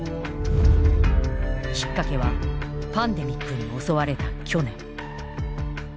きっかけはパンデミックに襲われた去年。